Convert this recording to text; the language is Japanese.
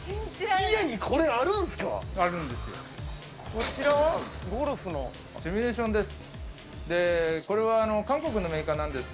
こちらはゴルフのシミュレーションです。